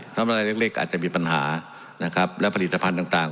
ธรรมดาเล็กอาจจะมีปัญหานะครับและผลิตภัณฑ์ต่าง